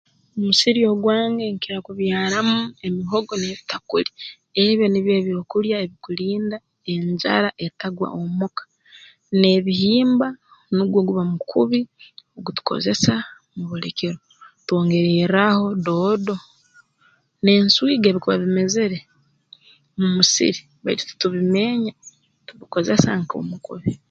Mu musiri ogwange nkira kubyaramu emihogo n'ebitakuli ebyo nibyo ebyokulya ebikulinda enjara etagwa omu ka n'ebihimba nugwo guba mukubi ogu tukozesa mu buli kiro twongererraaho doodo n'enswiga ebikuba bimezere mu musiri baitu tutubimeenya tubikozesa nk'omukubi